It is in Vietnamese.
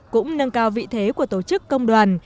cũng nâng cao vị thế của tổ chức công đoàn